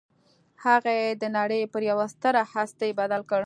هغه يې د نړۍ پر يوه ستره هستي بدل کړ.